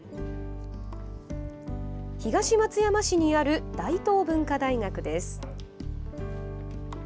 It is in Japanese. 東松山市にある大東文化大学です。